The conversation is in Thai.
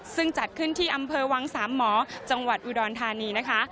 ซึ่งจัดขึ้นที่อำเภอวังสามหมอจังหวัดอุดรธานีนะคะ